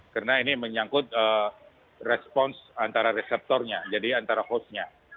karena ini menyangkut respons antara reseptornya jadi antara hostnya